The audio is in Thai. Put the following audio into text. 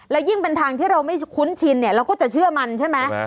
และยิ่งเป็นทางที่เราไม่คุ้นชินเนี่ยเราก็จะเชื่อมันใช่ไหม